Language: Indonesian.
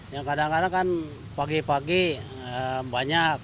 ya kadang kadang kan pagi pagi banyak